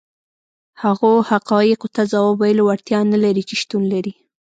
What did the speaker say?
هغو حقایقو ته ځواب ویلو وړتیا نه لري چې شتون لري.